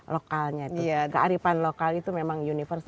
lokalnya itu kearifan lokal itu memang universe